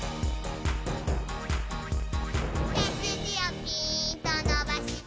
「せすじをピーンとのばして」